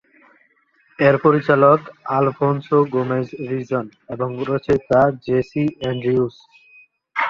এর পরিচালক Alfonso Gomez Rejon এবং রচয়িতা জেসি অ্যান্ড্রিউস।